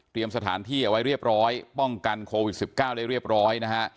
สถานที่เอาไว้เรียบร้อยป้องกันโควิด๑๙ได้เรียบร้อยนะฮะ